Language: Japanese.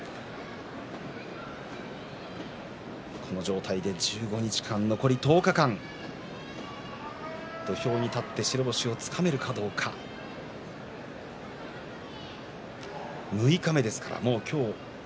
この状態で１５日間残り１０日間、土俵に立って相撲を取ることができるかどうか今日は六日目です。